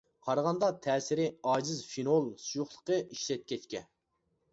قارىغاندا تەسىرى ئاجىز فېنول سۇيۇقلۇقى ئىشلەتكەچكە.